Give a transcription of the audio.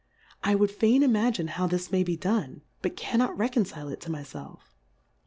I would fain imagine how this may be done, but cannot reconcile it to my felf.